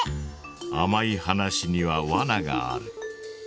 あまい話にはわながある。